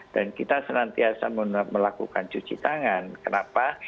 dan kita selantiasa melakukan cuci tangan kenapa